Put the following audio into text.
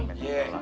terima kasih pak